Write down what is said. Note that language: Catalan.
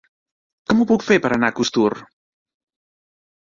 Com ho puc fer per anar a Costur?